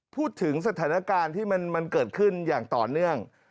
พูดถึงสถานการณ์ที่มันเกิดขึ้นอย่างต่อเนื่อง